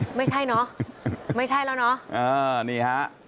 ไม่ใช่เนอะไม่ใช่แล้วเนอะอ่านี่ฮะ